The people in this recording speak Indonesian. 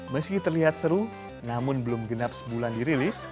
meski terlihat seru namun belum genap sebulan dirilis